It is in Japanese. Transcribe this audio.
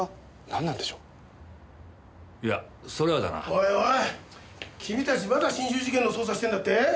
おいおい君たちまだ心中事件の捜査してんだって？